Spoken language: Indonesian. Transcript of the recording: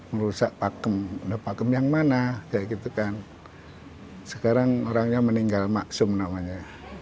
merusak pakem pakem yang mana sekarang orangnya meninggal maksimum namanya